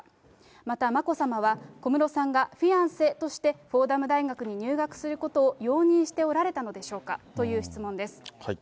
また、眞子さまは、小室さんがフィアンセとしてフォーダム大学に入学することを容認しておられたのでしょうかという質問です。